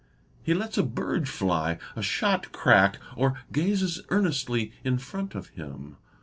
He lets a bird fly, a shot crack, or gazes earnestly in front of him.